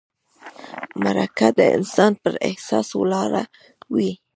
مرکه د انسان پر احساس ولاړه وي.